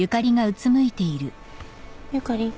ゆかりん？